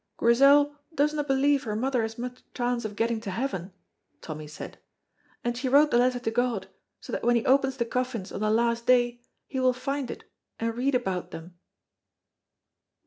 "Grizel doesna believe her mother has much chance of getting to heaven," Tommy said, "and she wrote the letter to God, so that when he opens the coffins on the last day he will find it and read about them."